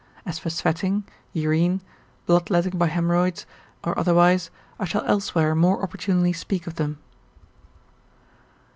As for sweating, urine, bloodletting by haemrods, or otherwise, I shall elsewhere more opportunely speak of them.